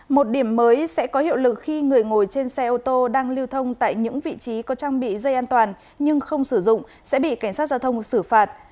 một điểm mới sẽ có hiệu lực khi người ngồi trên xe ô tô đang lưu thông tại những vị trí có trang bị dây an toàn nhưng không sử dụng sẽ bị cảnh sát giao thông xử phạt